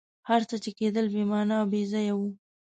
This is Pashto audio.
هر څه چي کېدل بي معنی او بېځایه وه.